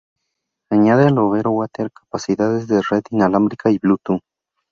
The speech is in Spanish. Añade a la Overo Water capacidades de red inalámbrica y Bluetooth.